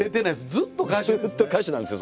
ずっと歌手なんですよ